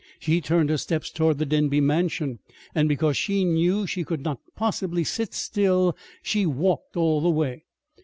She turned her steps toward the Denby Mansion; and because she knew she could not possibly sit still, she walked all the way.